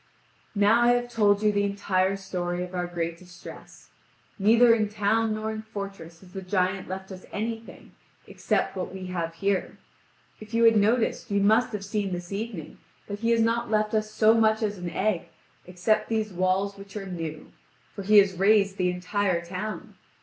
Now I have told you the entire story of our great distress. Neither in town nor in fortress has the giant left us anything, except what we have here. If you had noticed, you must have seen this evening that he has not left us so much as an egg, except these walls which are new; for he has razed the entire town.